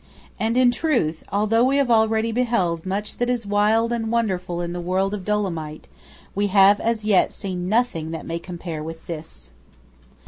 And in truth, although we have already beheld much that is wild and wonderful in the world of Dolomite, we have as yet seen nothing that may compare with this.